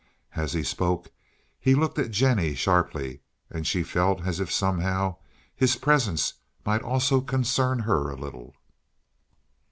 As he spoke he looked at Jennie sharply, and she felt as if somehow his presence might also concern her a little.